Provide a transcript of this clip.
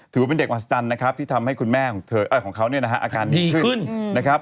ถือว่าเป็นเด็กมาสตันนะครับที่ทำให้คุณแม่ของเขาเนี่ยนะฮะอาการดีขึ้น